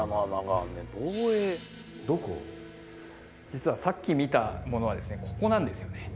実はさっき見たものはここなんですよね。